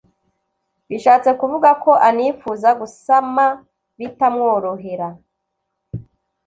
Bishatse kuvuga ko anifuza gusama bitamworohera